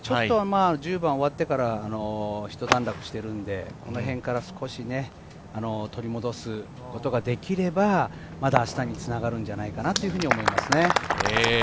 １０番終わってから一段落しているので、このへんから少し取り戻すことができれば、まだ明日につながるんじゃないかなと思います。